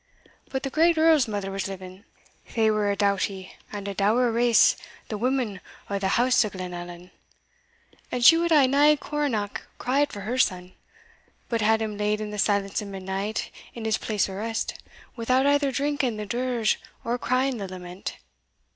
But the Great Earl's mither was living they were a doughty and a dour race, the women o' the house o' Glenallan and she wad hae nae coronach cried for her son, but had him laid in the silence o' midnight in his place o' rest, without either drinking the dirge, or crying the lament.